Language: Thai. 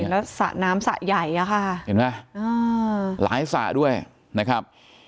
แล้วสระน้ำสระใหญ่อะค่ะเห็นไหมหลายสระด้วยนะครับ